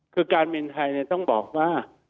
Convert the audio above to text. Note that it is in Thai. คือการบินไทยต้องบอกว่า